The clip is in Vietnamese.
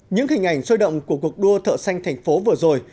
những hình ảnh sôi động của cuộc đua thợ xanh thành phố vừa rồi